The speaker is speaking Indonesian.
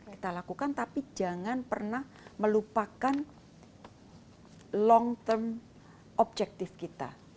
kita lakukan tapi jangan pernah melupakan objektif kita